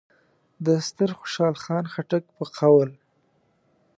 د ستر خوشحال خان خټک په قول: